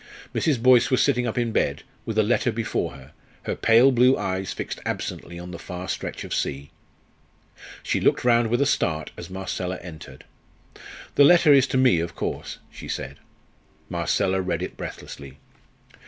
Mrs. Boyce was sitting up in bed, with a letter before her, her pale blue eyes fixed absently on the far stretch of sea. She looked round with a start as Marcella entered. "The letter is to me, of course," she said. Marcella read it breathlessly.